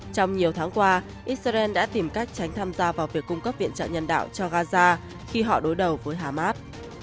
trong nhiều tháng qua israel đã tìm cách tránh tham gia vào việc cung cấp viện trợ nhân đạo cho gaza khi họ đối đầu với hamas